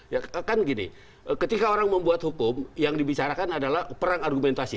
ya kan gini ketika orang membuat hukum yang dibicarakan adalah perang argumentasi